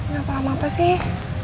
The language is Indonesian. gak paham apa sih